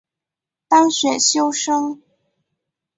当选修生